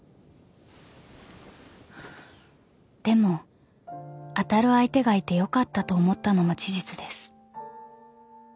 ［でも当たる相手がいてよかったと思ったのも事実です］